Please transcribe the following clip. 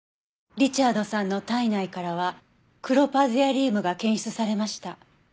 リチャードさんの体内からはクロパゼアリウムが検出されました。